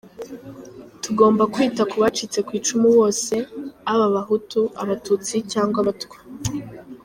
Tugomba kwita kubacitse kwicumu bose, aba abahutu, abatutsi cyangwa abatwa.